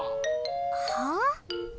はあ？